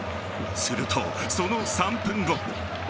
するとその３分後。